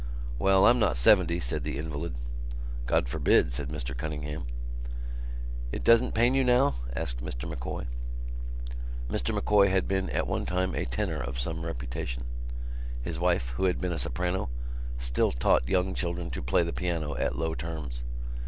"Well, I'm not seventy," said the invalid. "God forbid," said Mr Cunningham. "It doesn't pain you now?" asked Mr M'Coy. Mr M'Coy had been at one time a tenor of some reputation. His wife, who had been a soprano, still taught young children to play the piano at low terms.